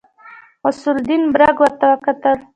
غوث الدين برګ ورته وکتل.